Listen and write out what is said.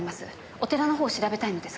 お寺の方を調べたいのですが。